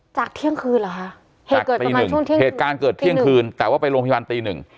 จากเที่ยงคืนล่ะฮะเหตุการณ์เกิดเที่ยงคืนแต่ว่าไปโรงพยาบาลตี๑